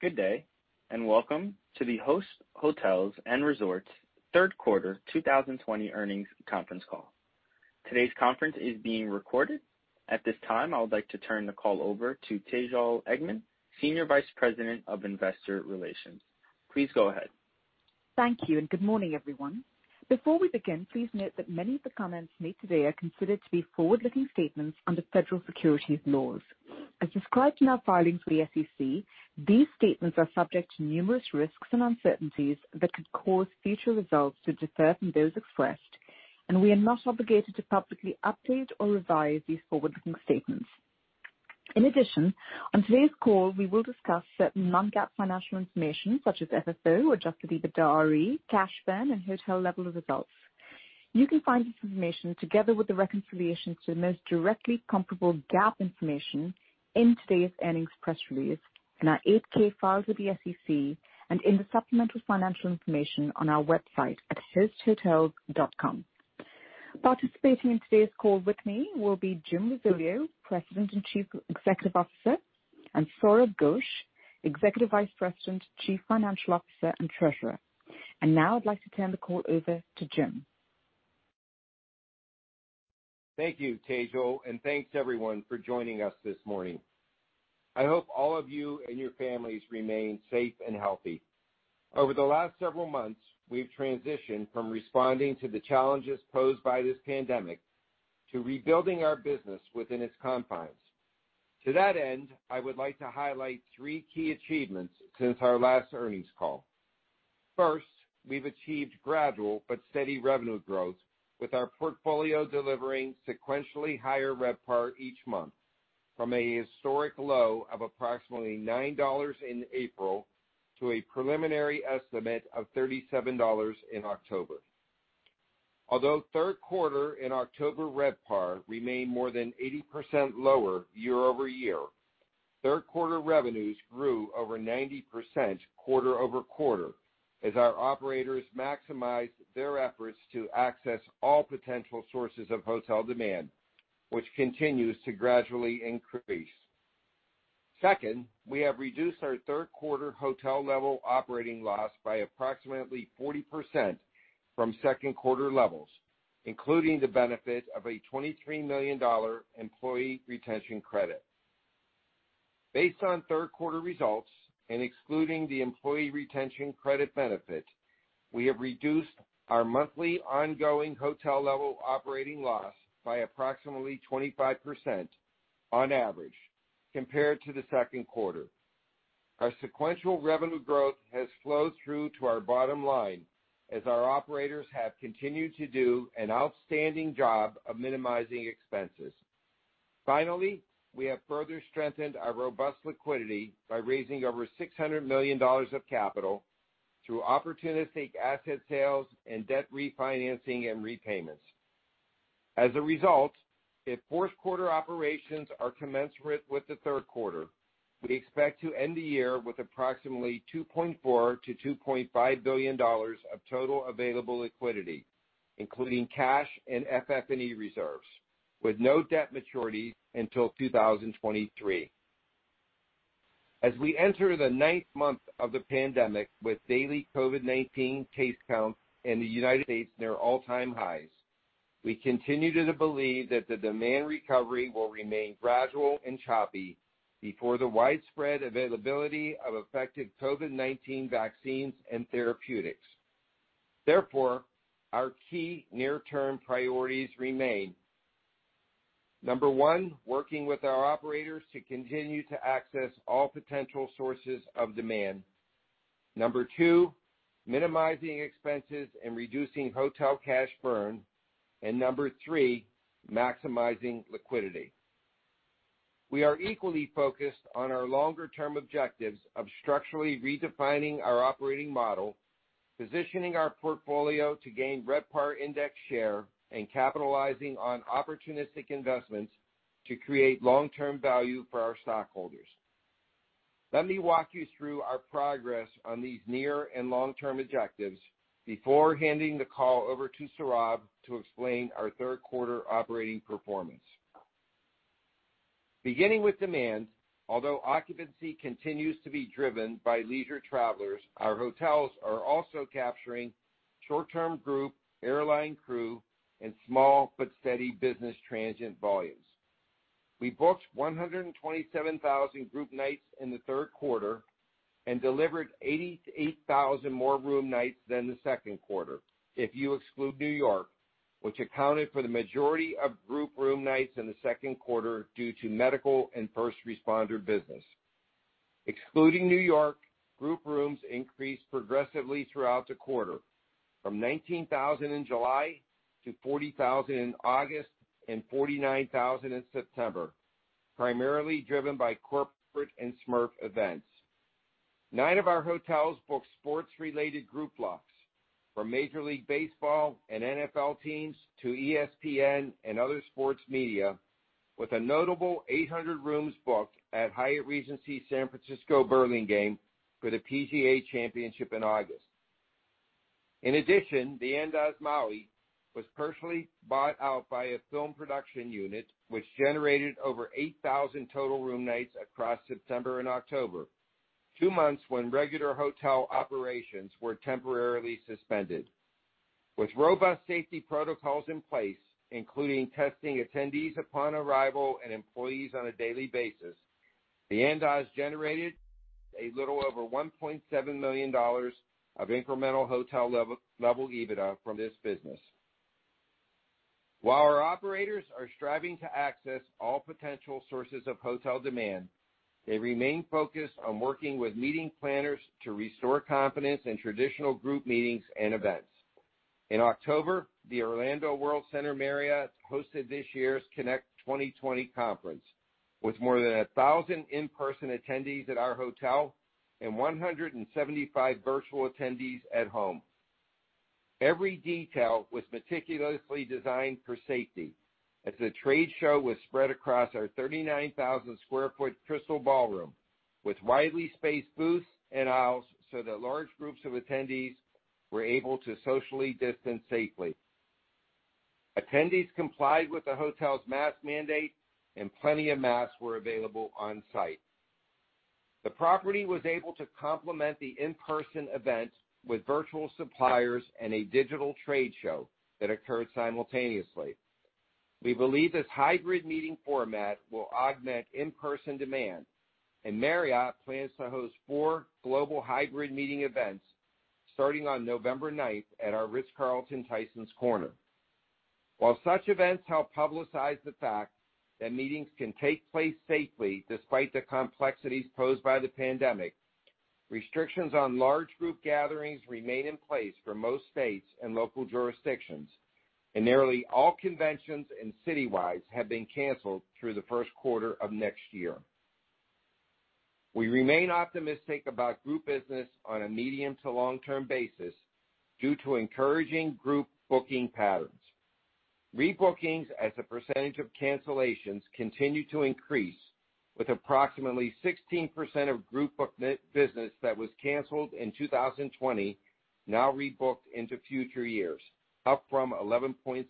Good day. Welcome to the Host Hotels & Resorts third quarter 2020 earnings conference call. Today's conference is being recorded. At this time, I would like to turn the call over to Tejal Engman, Senior Vice President of Investor Relations. Please go ahead. Thank you. Good morning, everyone. Before we begin, please note that many of the comments made today are considered to be forward-looking statements under federal securities laws. As described in our filings with the SEC, these statements are subject to numerous risks and uncertainties that could cause future results to differ from those expressed. We are not obligated to publicly update or revise these forward-looking statements. In addition, on today's call, we will discuss certain non-GAAP financial information such as FFO or adjusted EBITDARE, cash burn, and hotel level results. You can find this information together with the reconciliation to the most directly comparable GAAP information in today's earnings press release, in our 8-K filed with the SEC, in the supplemental financial information on our website at hosthotels.com. Participating in today's call with me will be Jim Risoleo, President and Chief Executive Officer, and Sourav Ghosh, Executive Vice President, Chief Financial Officer, and Treasurer. Now I'd like to turn the call over to Jim. Thank you, Tejal, and thanks everyone for joining us this morning. I hope all of you and your families remain safe and healthy. Over the last several months, we've transitioned from responding to the challenges posed by this pandemic to rebuilding our business within its confines. To that end, I would like to highlight three key achievements since our last earnings call. First, we've achieved gradual but steady revenue growth with our portfolio delivering sequentially higher RevPAR each month from a historic low of approximately $9 in April to a preliminary estimate of $37 in October. Although third quarter and October RevPAR remained more than 80% lower year-over-year, third quarter revenues grew over 90% quarter-over-quarter as our operators maximized their efforts to access all potential sources of hotel demand, which continues to gradually increase. Second, we have reduced our third quarter hotel level operating loss by approximately 40% from second quarter levels, including the benefit of a $23 million employee retention credit. Based on third quarter results and excluding the employee retention credit benefit, we have reduced our monthly ongoing hotel level operating loss by approximately 25% on average compared to the second quarter. Our sequential revenue growth has flowed through to our bottom line as our operators have continued to do an outstanding job of minimizing expenses. Finally, we have further strengthened our robust liquidity by raising over $600 million of capital through opportunistic asset sales and debt refinancing and repayments. If fourth quarter operations are commensurate with the third quarter, we expect to end the year with approximately $2.4 billion-$2.5 billion of total available liquidity, including cash and FF&E reserves, with no debt maturities until 2023. We enter the ninth month of the pandemic with daily COVID-19 case counts in the United States near all-time highs, we continue to believe that the demand recovery will remain gradual and choppy before the widespread availability of effective COVID-19 vaccines and therapeutics. Our key near-term priorities remain, number one, working with our operators to continue to access all potential sources of demand. Number two, minimizing expenses and reducing hotel cash burn. Number three, maximizing liquidity. We are equally focused on our longer-term objectives of structurally redefining our operating model, positioning our portfolio to gain RevPAR index share, and capitalizing on opportunistic investments to create long-term value for our stockholders. Let me walk you through our progress on these near and long-term objectives before handing the call over to Sourav to explain our third quarter operating performance. Beginning with demand, although occupancy continues to be driven by leisure travelers, our hotels are also capturing short-term group, airline crew, and small but steady business transient volumes. We booked 127,000 group nights in the third quarter and delivered 88,000 more room nights than the second quarter if you exclude New York, which accounted for the majority of group room nights in the second quarter due to medical and first responder business. Excluding New York, group rooms increased progressively throughout the quarter from 19,000 in July to 40,000 in August and 49,000 in September, primarily driven by corporate and SMERF events. Nine of our hotels booked sports-related group blocks from Major League Baseball and NFL teams to ESPN and other sports media with a notable 800 rooms booked at Hyatt Regency San Francisco Burlingame for the PGA Championship in August. In addition, the Andaz Maui was partially bought out by a film production unit, which generated over 8,000 total room nights across September and October, two months when regular hotel operations were temporarily suspended. With robust safety protocols in place, including testing attendees upon arrival and employees on a daily basis, the Andaz generated a little over $1.7 million of incremental hotel level EBITDA from this business. While our operators are striving to access all potential sources of hotel demand, they remain focused on working with meeting planners to restore confidence in traditional group meetings and events. In October, the Orlando World Center Marriott hosted this year's Connect 2020 conference, with more than 1,000 in-person attendees at our hotel and 175 virtual attendees at home. Every detail was meticulously designed for safety, as the trade show was spread across our 39,000 sq ft crystal ballroom, with widely spaced booths and aisles so that large groups of attendees were able to socially distance safely. Attendees complied with the hotel's mask mandate, and plenty of masks were available on site. The property was able to complement the in-person event with virtual suppliers and a digital trade show that occurred simultaneously. We believe this hybrid meeting format will augment in-person demand. Marriott plans to host 4 global hybrid meeting events starting on November ninth at our Ritz-Carlton Tysons Corner. While such events help publicize the fact that meetings can take place safely despite the complexities posed by the pandemic, restrictions on large group gatherings remain in place for most states and local jurisdictions. Nearly all conventions and city-wides have been canceled through the first quarter of next year. We remain optimistic about group business on a medium to long-term basis due to encouraging group booking patterns. Rebookings as a percentage of cancellations continue to increase, with approximately 16% of group business that was canceled in 2020 now rebooked into future years, up from 11.6%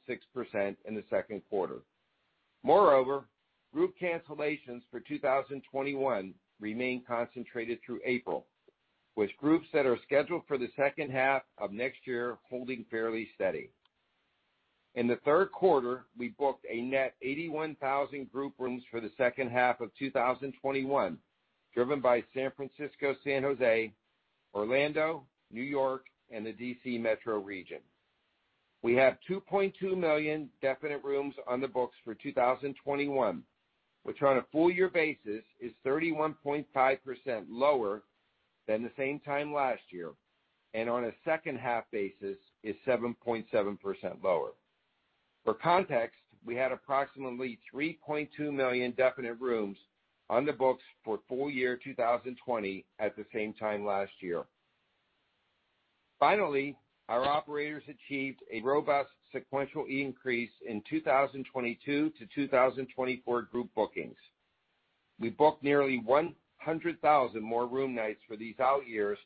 in the second quarter. Moreover, group cancellations for 2021 remain concentrated through April, with groups that are scheduled for the second half of next year holding fairly steady. In the third quarter, we booked a net 81,000 group rooms for the second half of 2021, driven by San Francisco, San Jose, Orlando, New York, and the D.C. metro region. We have 2.2 million definite rooms on the books for 2021, which on a full year basis is 31.5% lower than the same time last year, and on a second half basis is 7.7% lower. For context, we had approximately 3.2 million definite rooms on the books for full year 2020 at the same time last year. Finally, our operators achieved a robust sequential increase in 2022-2024 group bookings. We booked nearly 100,000 more room nights for these out years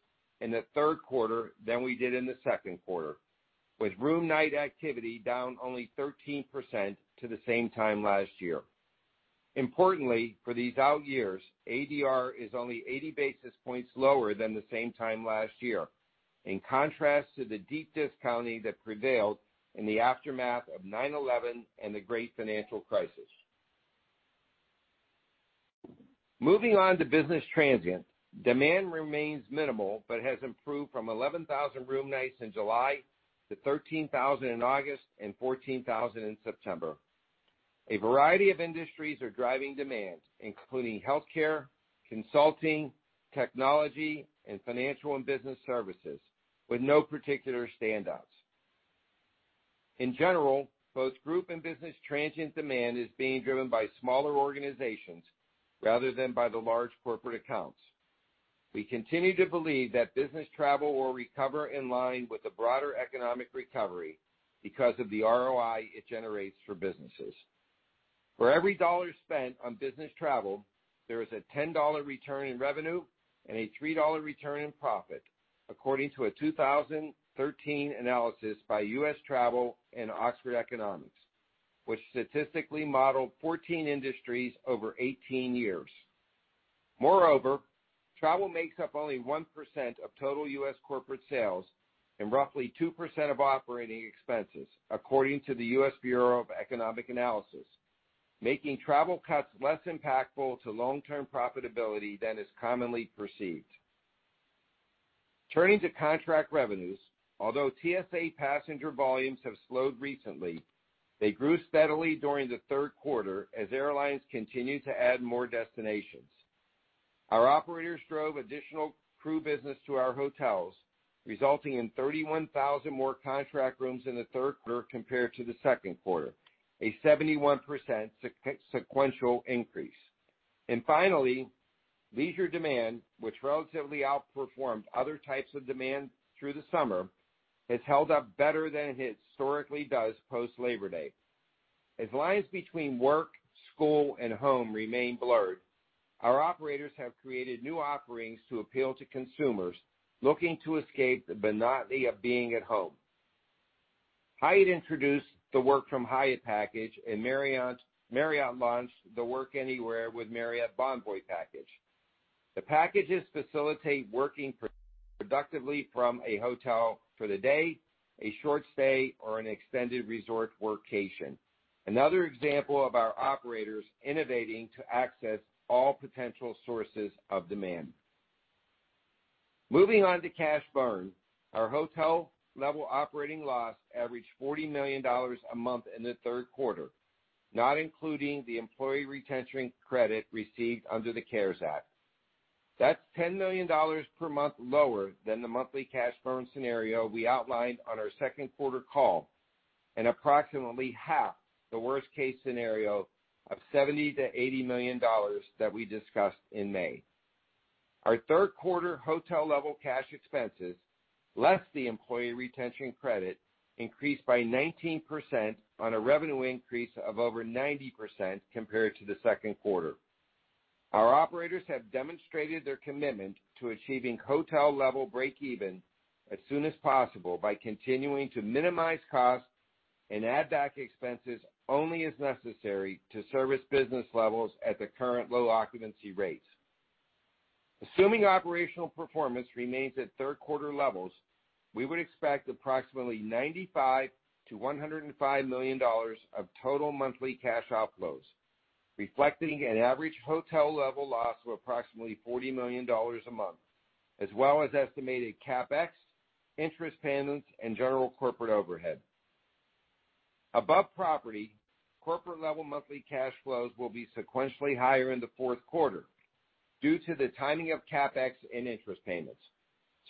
in the third quarter than we did in the second quarter, with room night activity down only 13% to the same time last year. Importantly, for these out years, ADR is only 80 basis points lower than the same time last year, in contrast to the deep discounting that prevailed in the aftermath of 9/11 and the great financial crisis. Moving on to business transient. Demand remains minimal, but has improved from 11,000 room nights in July to 13,000 in August and 14,000 in September. A variety of industries are driving demand, including healthcare, consulting, technology, and financial and business services, with no particular standouts. In general, both group and business transient demand is being driven by smaller organizations rather than by the large corporate accounts. We continue to believe that business travel will recover in line with the broader economic recovery because of the ROI it generates for businesses. For every dollar spent on business travel, there is a $10 return in revenue and a $3 return in profit, according to a 2013 analysis by U.S. Travel Association and Oxford Economics, which statistically modeled 14 industries over 18 years. Moreover, travel makes up only 1% of total U.S. corporate sales and roughly 2% of operating expenses, according to the U.S. Bureau of Economic Analysis, making travel cuts less impactful to long-term profitability than is commonly perceived. Turning to contract revenues, although TSA passenger volumes have slowed recently, they grew steadily during the third quarter as airlines continued to add more destinations. Our operators drove additional crew business to our hotels, resulting in 31,000 more contract rooms in the third quarter compared to the second quarter, a 71% sequential increase. Finally, leisure demand, which relatively outperformed other types of demand through the summer, has held up better than it historically does post Labor Day. As lines between work, school, and home remain blurred, our operators have created new offerings to appeal to consumers looking to escape the monotony of being at home. Hyatt introduced the Work from Hyatt package. Marriott launched the Work Anywhere with Marriott Bonvoy package. The packages facilitate working productively from a hotel for the day, a short stay, or an extended resort workcation. Another example of our operators innovating to access all potential sources of demand. Moving on to cash burn. Our hotel-level operating loss averaged $40 million a month in the third quarter, not including the employee retention credit received under the CARES Act. That's $10 million per month lower than the monthly cash burn scenario we outlined on our second quarter call, and approximately half the worst-case scenario of $70 million-$80 million that we discussed in May. Our third quarter hotel-level cash expenses, less the employee retention credit, increased by 19% on a revenue increase of over 90% compared to the second quarter. Our operators have demonstrated their commitment to achieving hotel-level breakeven as soon as possible by continuing to minimize costs and add back expenses only as necessary to service business levels at the current low occupancy rates. Assuming operational performance remains at third quarter levels, we would expect approximately $95 million-$105 million of total monthly cash outflows, reflecting an average hotel-level loss of approximately $40 million a month, as well as estimated CapEx, interest payments, and general corporate overhead. Above property, corporate level monthly cash flows will be sequentially higher in the fourth quarter due to the timing of CapEx and interest payments.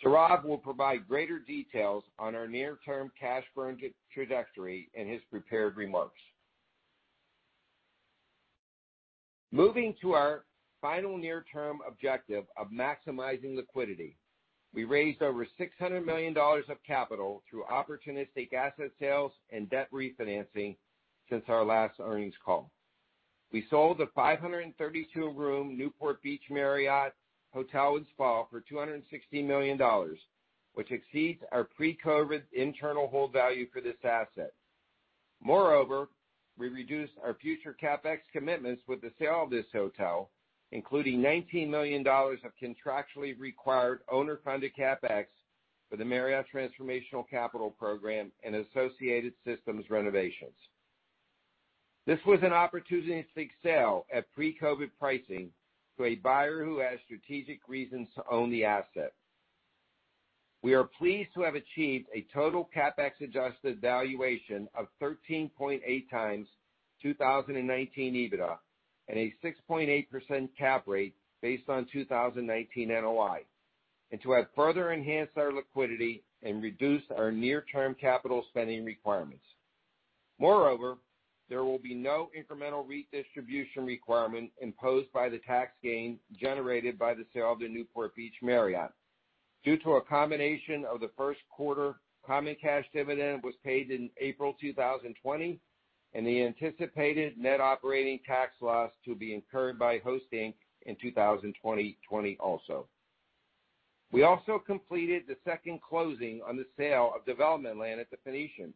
Sourav will provide greater details on our near-term cash burn trajectory in his prepared remarks. Moving to our final near-term objective of maximizing liquidity. We raised over $600 million of capital through opportunistic asset sales and debt refinancing since our last earnings call. We sold the 532-room Newport Beach Marriott Hotel and Spa for $260 million, which exceeds our pre-COVID internal hold value for this asset. Moreover, we reduced our future CapEx commitments with the sale of this hotel, including $19 million of contractually required owner-funded CapEx for the Marriott Transformational Capital Program and associated systems renovations. This was an opportunistic sale at pre-COVID pricing to a buyer who has strategic reasons to own the asset. We are pleased to have achieved a total CapEx-adjusted valuation of 13.8x 2019 EBITDA and a 6.8% cap rate based on 2019 NOI, and to have further enhanced our liquidity and reduced our near-term capital spending requirements. Moreover, there will be no incremental redistribution requirement imposed by the tax gain generated by the sale of the Newport Beach Marriott due to a combination of the first quarter common cash dividend was paid in April 2020, and the anticipated net operating tax loss to be incurred by hosting in 2020 also. We also completed the second closing on the sale of development land at The Phoenician,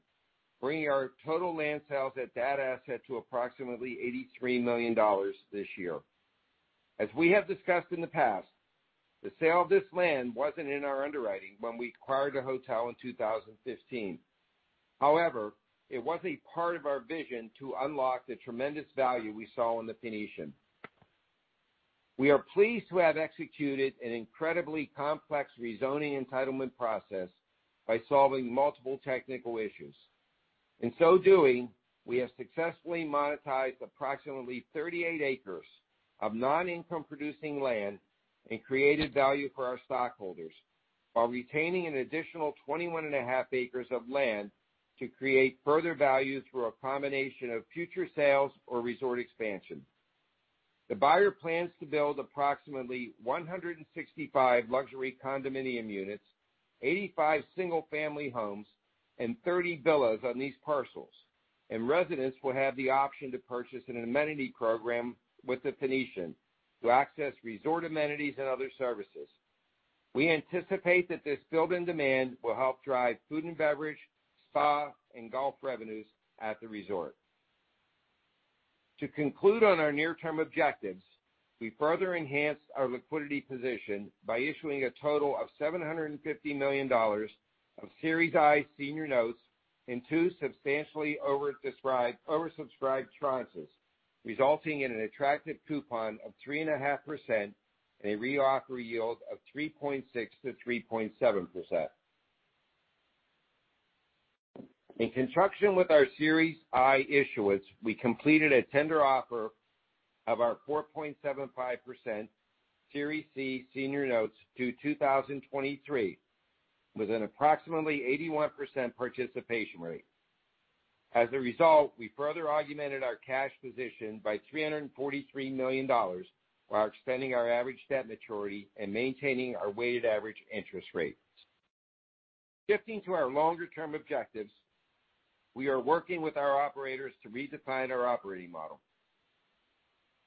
bringing our total land sales at that asset to approximately $83 million this year. As we have discussed in the past, the sale of this land wasn't in our underwriting when we acquired the hotel in 2015. However, it was a part of our vision to unlock the tremendous value we saw in The Phoenician. We are pleased to have executed an incredibly complex rezoning entitlement process by solving multiple technical issues. In so doing, we have successfully monetized approximately 38 acres of non-income producing land and created value for our stockholders while retaining an additional 21 and a half acres of land to create further value through a combination of future sales or resort expansion. The buyer plans to build approximately 165 luxury condominium units, 85 single-family homes, and 30 villas on these parcels. Residents will have the option to purchase an amenity program with The Phoenician to access resort amenities and other services. We anticipate that this built-in demand will help drive food and beverage, spa, and golf revenues at the resort. To conclude on our near-term objectives, we further enhanced our liquidity position by issuing a total of $750 million of Series I senior notes in two substantially oversubscribed tranches, resulting in an attractive coupon of 3.5% and a reoffer yield of 3.6%-3.7%. In construction with our Series I issuance, we completed a tender offer of our 4.75% Series C senior notes due 2023 with an approximately 81% participation rate. As a result, we further augmented our cash position by $343 million while extending our average debt maturity and maintaining our weighted average interest rate. Shifting to our longer term objectives, we are working with our operators to redefine our operating model.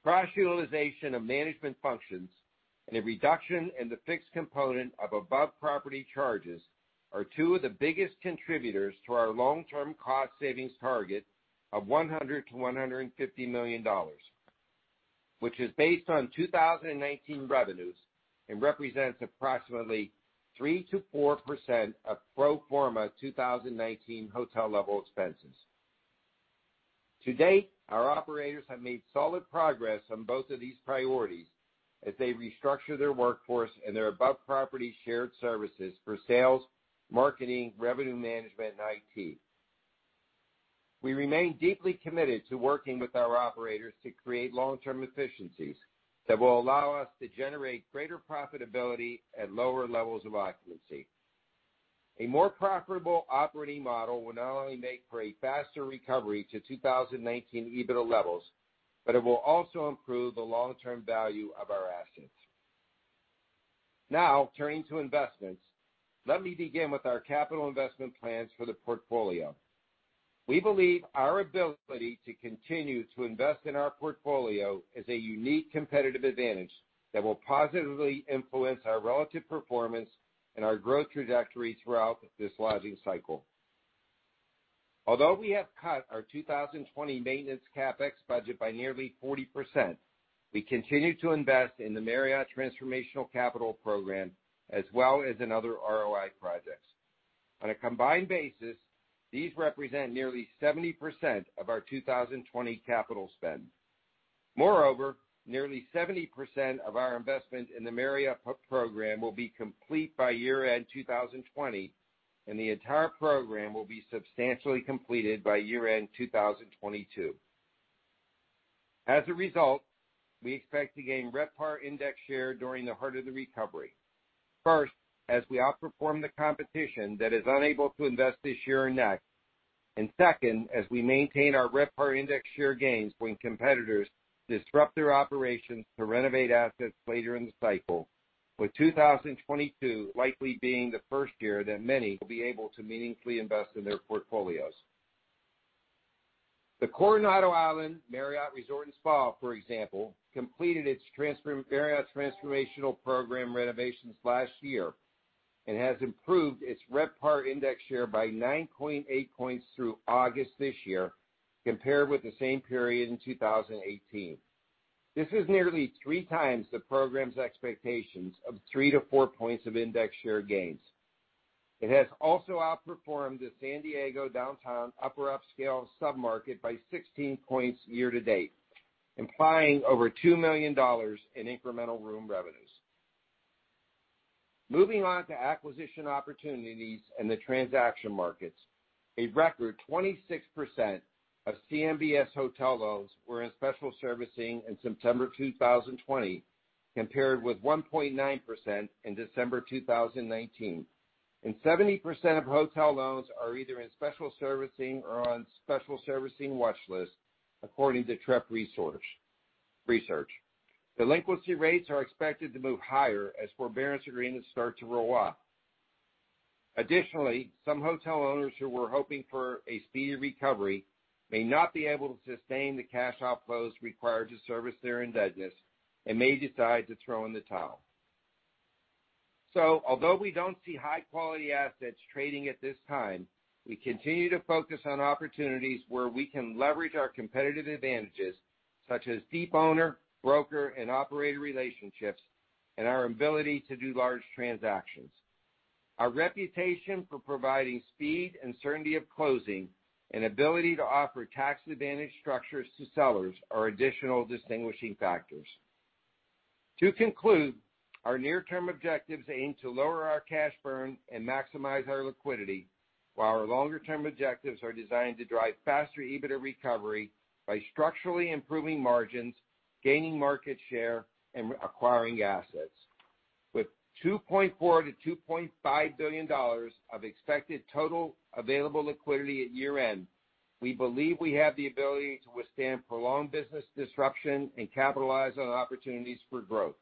Cross-utilization of management functions and a reduction in the fixed component of above property charges are two of the biggest contributors to our long-term cost savings target of $100 million-$150 million, which is based on 2019 revenues and represents approximately 3%-4% of pro forma 2019 hotel level expenses. To date, our operators have made solid progress on both of these priorities as they restructure their workforce and their above property shared services for sales, marketing, revenue management, and IT. We remain deeply committed to working with our operators to create long-term efficiencies that will allow us to generate greater profitability at lower levels of occupancy. A more profitable operating model will not only make for a faster recovery to 2019 EBIT levels, it will also improve the long-term value of our assets. Turning to investments, let me begin with our capital investment plans for the portfolio. We believe our ability to continue to invest in our portfolio is a unique competitive advantage that will positively influence our relative performance and our growth trajectory throughout this lodging cycle. Although we have cut our 2020 maintenance CapEx budget by nearly 40%, we continue to invest in the Marriott Transformational Capital Program as well as in other ROI projects. On a combined basis, these represent nearly 70% of our 2020 capital spend. Moreover, nearly 70% of our investment in the Marriott program will be complete by year-end 2020, and the entire program will be substantially completed by year-end 2022. As a result, we expect to gain RevPAR index share during the heart of the recovery. First, as we outperform the competition that is unable to invest this year or next, and second, as we maintain our RevPAR index share gains when competitors disrupt their operations to renovate assets later in the cycle, with 2022 likely being the first year that many will be able to meaningfully invest in their portfolios. The Coronado Island Marriott Resort & Spa, for example, completed its Marriott Transformational Program renovations last year and has improved its RevPAR index share by 9.8 points through August this year compared with the same period in 2018. This is nearly three times the program's expectations of 3-4 points of index share gains. It has also outperformed the San Diego downtown upper upscale sub-market by 16 points year to date, implying over $2 million in incremental room revenues. Moving on to acquisition opportunities in the transaction markets. A record 26% of CMBS hotel loans were in special servicing in September 2020, compared with 1.9% in December 2019, and 70% of hotel loans are either in special servicing or on special servicing watch lists according to Trepp Research. Delinquency rates are expected to move higher as forbearance agreements start to roll off. Additionally, some hotel owners who were hoping for a speedy recovery may not be able to sustain the cash outflows required to service their indebtedness and may decide to throw in the towel. Although we don't see high-quality assets trading at this time, we continue to focus on opportunities where we can leverage our competitive advantages, such as deep owner, broker, and operator relationships, and our ability to do large transactions. Our reputation for providing speed and certainty of closing and ability to offer tax advantage structures to sellers are additional distinguishing factors. To conclude, our near-term objectives aim to lower our cash burn and maximize our liquidity, while our longer-term objectives are designed to drive faster EBITA recovery by structurally improving margins, gaining market share, and acquiring assets. With $2.4 billion-$2.5 billion of expected total available liquidity at year-end, we believe we have the ability to withstand prolonged business disruption and capitalize on opportunities for growth.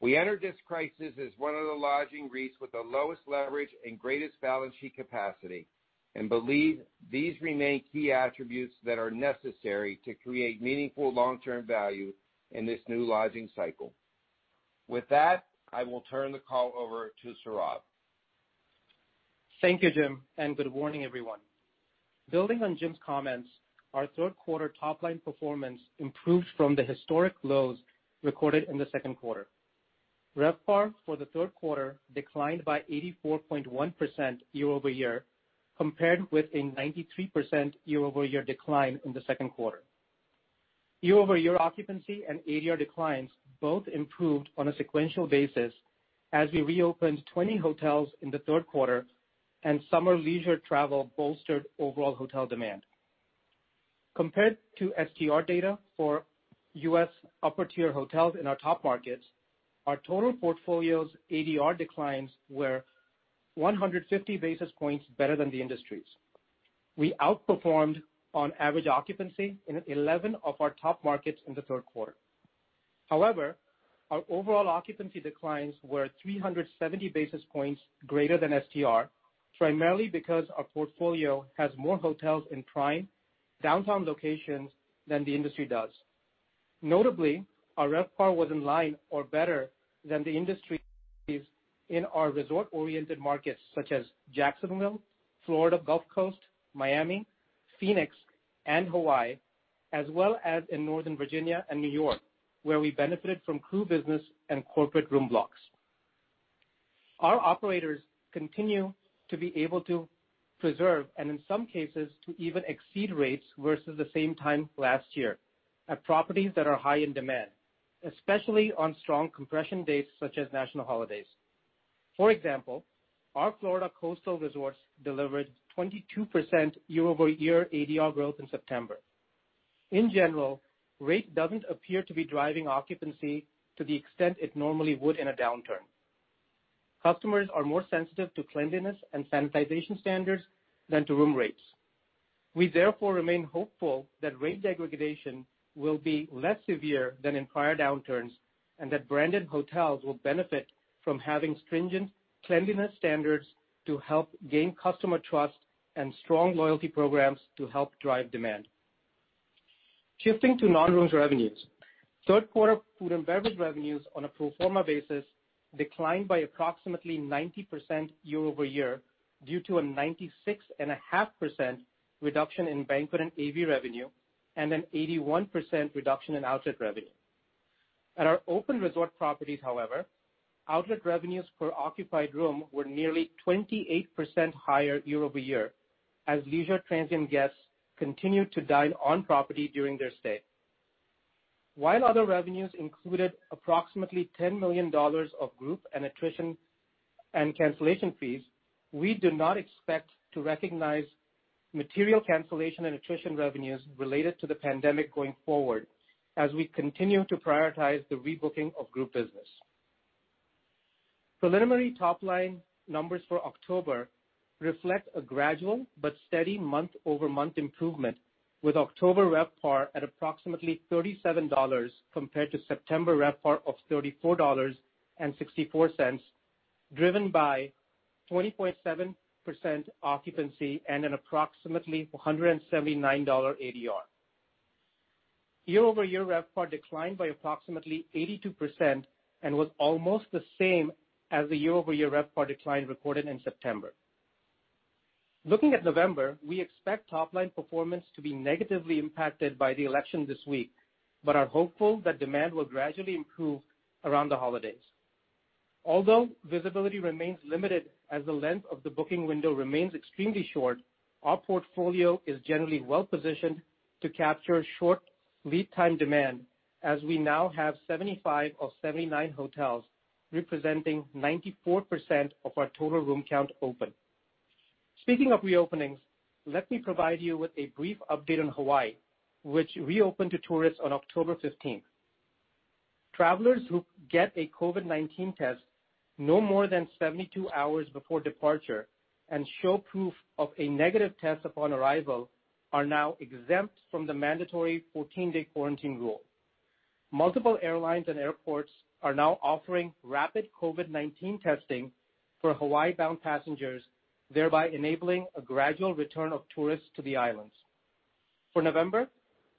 We entered this crisis as one of the lodging REITs with the lowest leverage and greatest balance sheet capacity and believe these remain key attributes that are necessary to create meaningful long-term value in this new lodging cycle. With that, I will turn the call over to Sourav. Thank you, Jim. Good morning, everyone. Building on Jim's comments, our third quarter top-line performance improved from the historic lows recorded in the second quarter. RevPAR for the third quarter declined by 84.1% year-over-year, compared with a 93% year-over-year decline in the second quarter. Year-over-year occupancy and ADR declines both improved on a sequential basis as we reopened 20 hotels in the third quarter and summer leisure travel bolstered overall hotel demand. Compared to STR data for U.S. upper-tier hotels in our top markets, our total portfolio's ADR declines were 150 basis points better than the industry's. We outperformed on average occupancy in 11 of our top markets in the third quarter. Our overall occupancy declines were 370 basis points greater than STR, primarily because our portfolio has more hotels in prime downtown locations than the industry does. Our RevPAR was in line or better than the industry's in our resort-oriented markets such as Jacksonville, Florida Gulf Coast, Miami, Phoenix, and Hawaii, as well as in Northern Virginia and New York, where we benefited from crew business and corporate room blocks. Our operators continue to be able to preserve, and in some cases, to even exceed rates versus the same time last year at properties that are high in demand, especially on strong compression dates such as national holidays. Our Florida coastal resorts delivered 22% year-over-year ADR growth in September. In general, rate doesn't appear to be driving occupancy to the extent it normally would in a downturn. Customers are more sensitive to cleanliness and sanitization standards than to room rates. We therefore remain hopeful that rate degradation will be less severe than in prior downturns, and that branded hotels will benefit from having stringent cleanliness standards to help gain customer trust and strong loyalty programs to help drive demand. Shifting to non-rooms revenues. Third quarter food and beverage revenues on a pro forma basis declined by approximately 90% year-over-year due to a 96.5% reduction in banquet and AV revenue, and an 81% reduction in outlet revenue. At our open resort properties, however, outlet revenues per occupied room were nearly 28% higher year-over-year as leisure transient guests continued to dine on property during their stay. While other revenues included approximately $10 million of group and attrition and cancellation fees, we do not expect to recognize material cancellation and attrition revenues related to the pandemic going forward as we continue to prioritize the rebooking of group business. Preliminary top-line numbers for October reflect a gradual but steady month-over-month improvement, with October RevPAR at approximately $37 compared to September RevPAR of $34.64, driven by 20.7% occupancy and an approximately $179 ADR. Year-over-year RevPAR declined by approximately 82% and was almost the same as the year-over-year RevPAR decline recorded in September. Looking at November, we expect top-line performance to be negatively impacted by the election this week, but are hopeful that demand will gradually improve around the holidays. Although visibility remains limited as the length of the booking window remains extremely short, our portfolio is generally well-positioned to capture short lead time demand, as we now have 75 of 79 hotels, representing 94% of our total room count open. Speaking of reopenings, let me provide you with a brief update on Hawaii, which reopened to tourists on October 15th. Travelers who get a COVID-19 test no more than 72 hours before departure and show proof of a negative test upon arrival are now exempt from the mandatory 14-day quarantine rule. Multiple airlines and airports are now offering rapid COVID-19 testing for Hawaii-bound passengers, thereby enabling a gradual return of tourists to the islands. For November,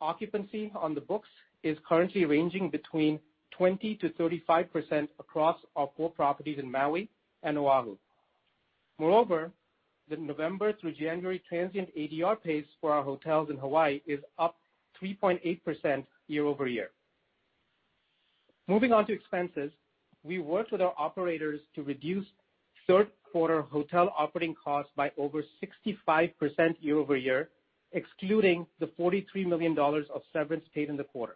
occupancy on the books is currently ranging between 20%-35% across our four properties in Maui and Oahu. The November through January transient ADR pace for our hotels in Hawaii is up 3.8% year-over-year. Moving on to expenses. We worked with our operators to reduce third quarter hotel operating costs by over 65% year-over-year, excluding the $43 million of severance paid in the quarter.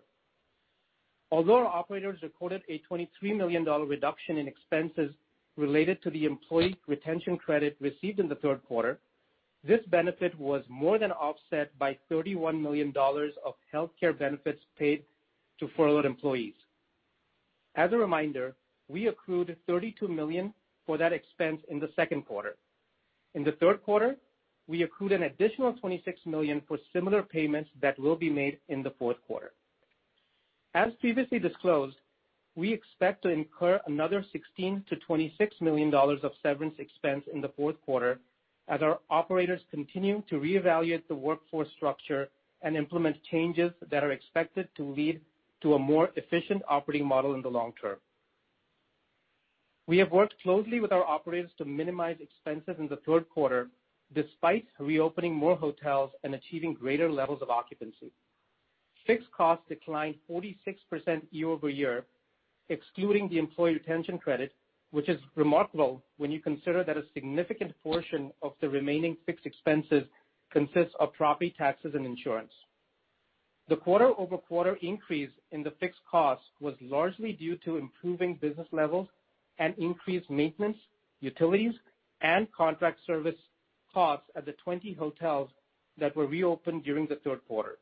Our operators recorded a $23 million reduction in expenses related to the employee retention credit received in the third quarter, this benefit was more than offset by $31 million of healthcare benefits paid to furloughed employees. As a reminder, we accrued $32 million for that expense in the second quarter. In the third quarter, we accrued an additional $26 million for similar payments that will be made in the fourth quarter. As previously disclosed, we expect to incur another $16 million-$26 million of severance expense in the fourth quarter as our operators continue to reevaluate the workforce structure and implement changes that are expected to lead to a more efficient operating model in the long term. We have worked closely with our operators to minimize expenses in the third quarter, despite reopening more hotels and achieving greater levels of occupancy. Fixed costs declined 46% year-over-year, excluding the employee retention credit, which is remarkable when you consider that a significant portion of the remaining fixed expenses consists of property taxes and insurance. The quarter-over-quarter increase in the fixed cost was largely due to improving business levels and increased maintenance, utilities, and contract service costs at the 20 hotels that were reopened during the third quarter.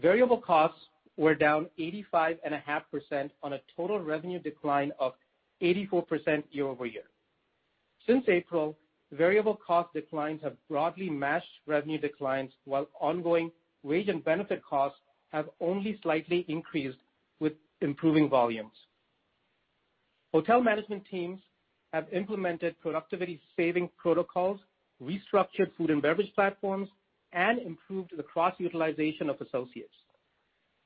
Variable costs were down 85.5% on a total revenue decline of 84% year-over-year. Since April, variable cost declines have broadly matched revenue declines while ongoing wage and benefit costs have only slightly increased with improving volumes. Hotel management teams have implemented productivity saving protocols, restructured food and beverage platforms, and improved the cross-utilization of associates.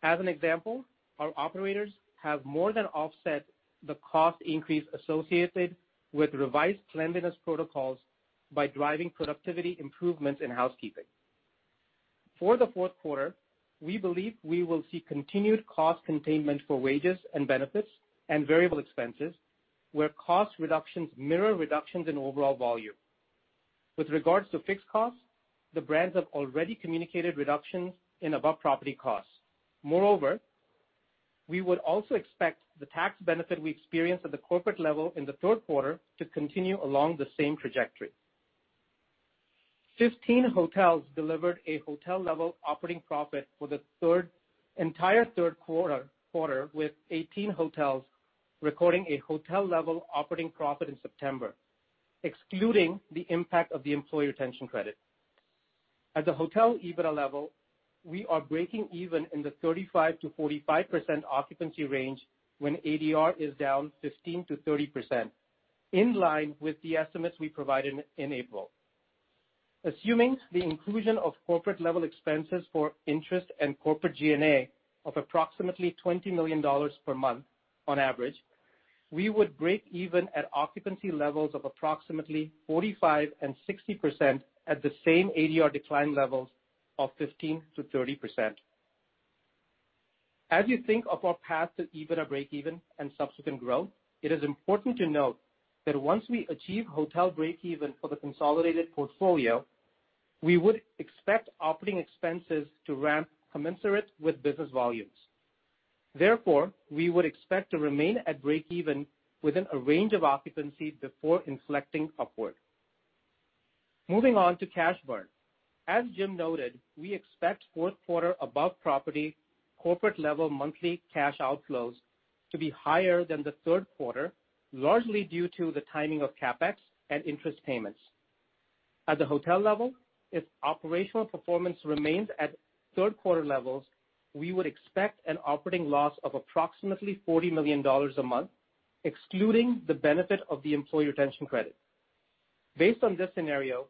As an example, our operators have more than offset the cost increase associated with revised cleanliness protocols by driving productivity improvements in housekeeping. For the fourth quarter, we believe we will see continued cost containment for wages and benefits and variable expenses, where cost reductions mirror reductions in overall volume. With regards to fixed costs, the brands have already communicated reductions in above property costs. Moreover, we would also expect the tax benefit we experienced at the corporate level in the third quarter to continue along the same trajectory. 15 hotels delivered a hotel level operating profit for the entire third quarter with 18 hotels recording a hotel level operating profit in September, excluding the impact of the employee retention credit. At the hotel EBITA level, we are breaking even in the 35%-45% occupancy range when ADR is down 15%-30%, in line with the estimates we provided in April. Assuming the inclusion of corporate level expenses for interest and corporate G&A of approximately $20 million per month on average, we would break even at occupancy levels of approximately 45% and 60% at the same ADR decline levels of 15%-30%. As you think of our path to EBITA breakeven and subsequent growth, it is important to note that once we achieve hotel breakeven for the consolidated portfolio, we would expect operating expenses to ramp commensurate with business volumes. We would expect to remain at breakeven within a range of occupancy before inflecting upward. Moving on to cash burn. As Jim noted, we expect fourth quarter above property corporate level monthly cash outflows to be higher than the third quarter, largely due to the timing of CapEx and interest payments. At the hotel level, if operational performance remains at third quarter levels, we would expect an operating loss of approximately $40 million a month, excluding the benefit of the employee retention credit. Based on this scenario,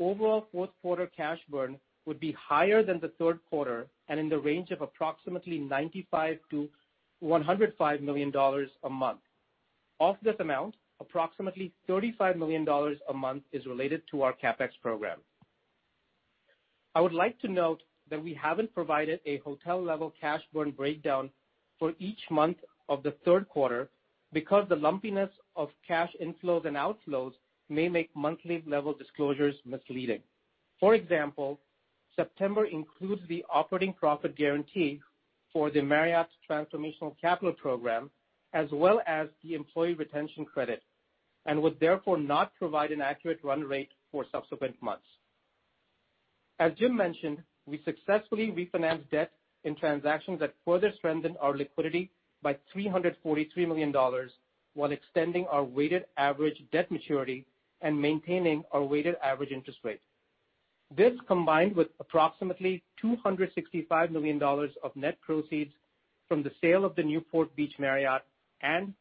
overall fourth quarter cash burn would be higher than the third quarter and in the range of approximately $95 million-$105 million a month. Of this amount, approximately $35 million a month is related to our CapEx program. I would like to note that we haven't provided a hotel level cash burn breakdown for each month of the third quarter because the lumpiness of cash inflows and outflows may make monthly level disclosures misleading. For example, September includes the operating profit guarantee for the Marriott Transformational Capital Program, as well as the employee retention credit, and would therefore not provide an accurate run rate for subsequent months. As Jim mentioned, we successfully refinanced debt in transactions that further strengthened our liquidity by $343 million while extending our weighted average debt maturity and maintaining our weighted average interest rate. This combined with approximately $265 million of net proceeds from the sale of the Newport Beach Marriott and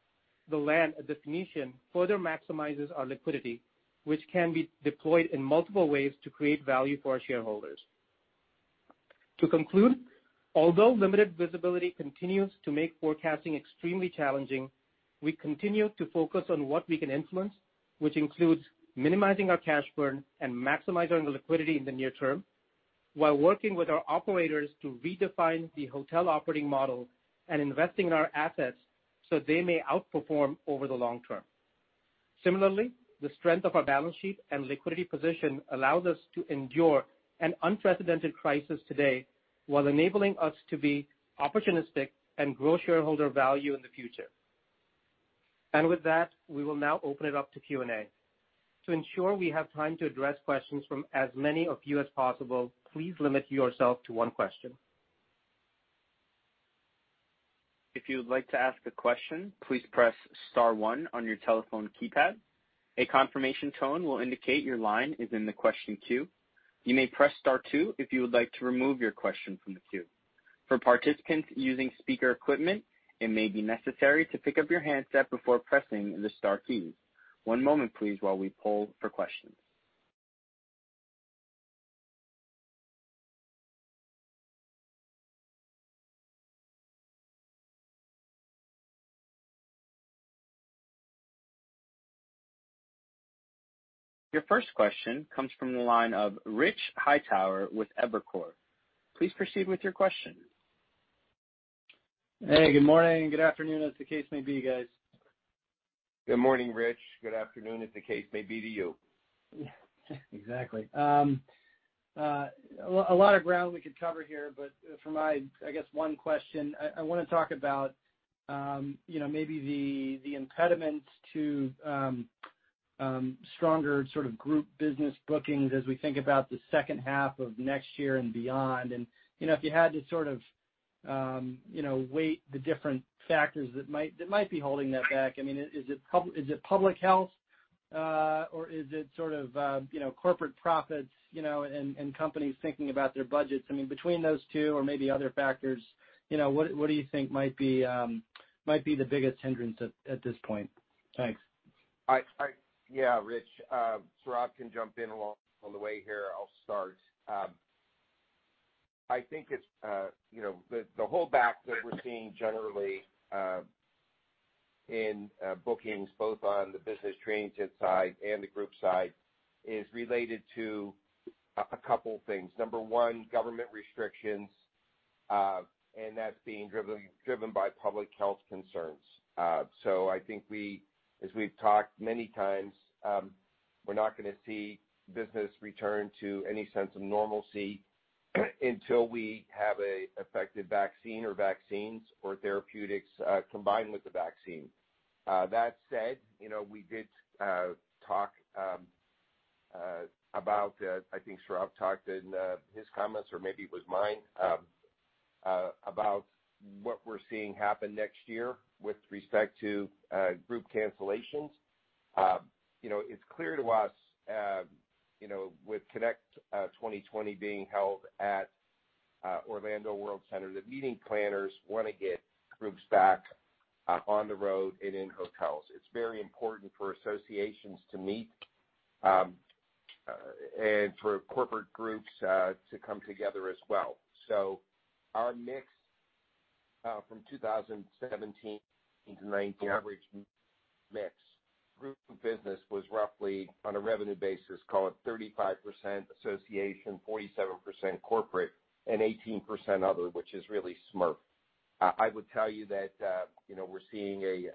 the land at The Phoenician further maximizes our liquidity, which can be deployed in multiple ways to create value for our shareholders. To conclude, although limited visibility continues to make forecasting extremely challenging, we continue to focus on what we can influence, which includes minimizing our cash burn and maximizing liquidity in the near term while working with our operators to redefine the hotel operating model and investing in our assets so they may outperform over the long term. Similarly, the strength of our balance sheet and liquidity position allows us to endure an unprecedented crisis today while enabling us to be opportunistic and grow shareholder value in the future. With that, we will now open it up to Q&A. To ensure we have time to address questions from as many of you as possible, please limit yourself to one question. If you would like to ask a question, please press star one on your telephone keypad. A confirmation tone will indicate your line is in the question queue. You may press star two if you would like to remove your question from the queue. For participants using speaker equipment, it may be necessary to pick up your handset before pressing the star key. One moment, please, while we poll for questions. Your first question comes from the line of Richard Hightower with Evercore. Please proceed with your question. Hey, good morning, good afternoon, as the case may be, guys. Good morning, Rich. Good afternoon, as the case may be to you. Yeah, exactly. A lot of ground we could cover here, but for my, I guess, one question, I wanna talk about, you know, maybe the impediments to stronger sort of group business bookings as we think about the second half of next year and beyond. You know, if you had to sort of, you know, weight the different factors that might be holding that back. I mean, is it public health, or is it sort of, you know, corporate profits, you know, and companies thinking about their budgets? I mean, between those two or maybe other factors, you know, what do you think might be the biggest hindrance at this point? Thanks. Yeah, Rich. Sourav can jump in along the way here. I'll start. I think it's, you know, the holdback that we're seeing generally in bookings, both on the business transient side and the group side, is related to a couple things. Number one, government restrictions, and that's being driven by public health concerns. I think as we've talked many times, we're not gonna see business return to any sense of normalcy until we have a effective vaccine or vaccines or therapeutics, combined with the vaccine. That said, you know, we did talk about, I think Sourav talked in his comments or maybe it was mine, about what we're seeing happen next year with respect to group cancellations. You know, it's clear to us, you know, with Connect 2020 being held at Orlando World Center, the meeting planners wanna get groups back on the road and in hotels. It's very important for associations to meet and for corporate groups to come together as well. Our mix from 2017-2019 average mix. Group business was roughly, on a revenue basis, call it 35% association, 47% corporate, and 18% other, which is really SMERF. I would tell you that, you know, we're seeing a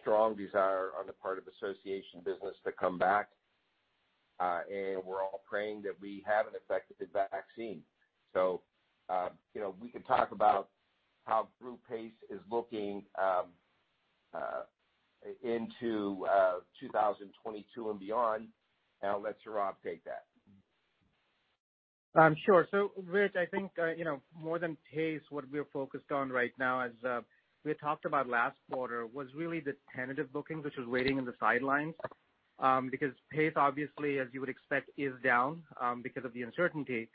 strong desire on the part of association business to come back, and we're all praying that we have an effective vaccine. You know, we can talk about how group pace is looking into 2022 and beyond. I'll let Sourav take that. Sure. Rich, I think, you know, more than pace, what we are focused on right now is, we had talked about last quarter, was really the tentative bookings, which was waiting on the sidelines. Because pace obviously as you would expect is down, because of the uncertainty.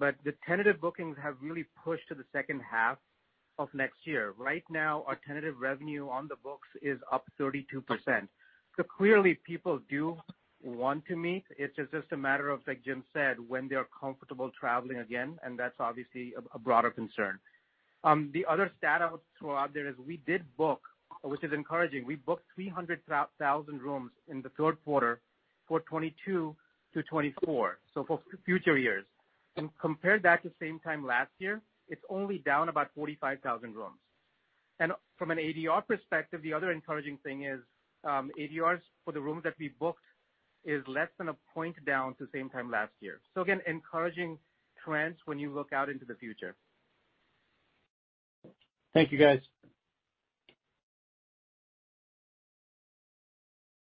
The tentative bookings have really pushed to the second half of next year. Right now, our tentative revenue on the books is up 32%. Clearly people do want to meet. It's just a matter of, like Jim said, when they're comfortable traveling again, and that's obviously a broader concern. The other stat out there is we did book, which is encouraging, we booked 300,000 rooms in the third quarter for 2022-2024, so for future years. Compare that to same time last year, it's only down about 45,000 rooms. From an ADR perspective, the other encouraging thing is, ADRs for the rooms that we booked is less than 1 point down to same time last year. Again, encouraging trends when you look out into the future. Thank you guys.